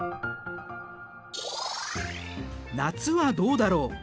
夏はどうだろう。